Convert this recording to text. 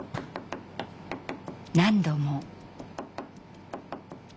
何度も。